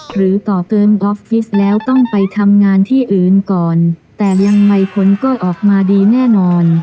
หรือต่อเติมออฟฟิศแล้วต้องไปทำงานที่อื่นก่อนแต่ยังไงผลก็ออกมาดีแน่นอน